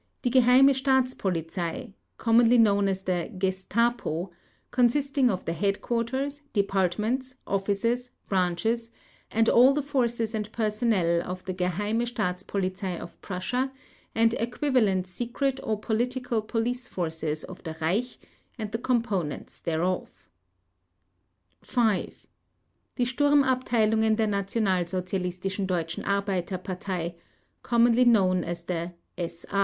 Die Geheime Staatspolizei (commonly known as the Gestapo) consisting of the headquarters, departments, offices, branches, and all the forces and personnel of the Geheime Staatspolizei of Prussia and equivalent secret or political police forces of the Reich and the components thereof. 5. Die Sturmabteilungen der Nationalsozialistischen Deutschen Arbeiterpartei (commonly known as the SA).